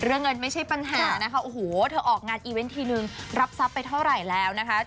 เรื่องเงินไม่ใช่ปัญหานะคะโอ้โหเธอออกงานอีเวนต์ทีนึงรับทรัพย์ไปเท่าไหร่แล้วนะคะ